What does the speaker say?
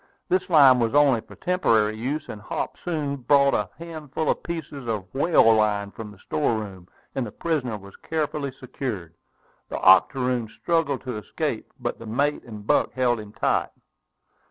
This line was only for temporary use; and Hop soon brought a handful of pieces of whale line from the store room, and the prisoner was carefully secured. The octoroon struggled to escape, but the mate and Buck held him tight.